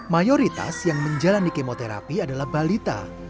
mayoritas yang menjalani kemoterapi adalah balita